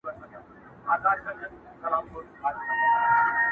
چي مو ښارته ده راغلې یوه ښکلې!.